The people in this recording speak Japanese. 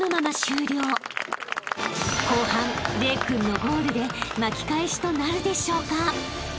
［後半玲君のゴールで巻き返しとなるでしょうか］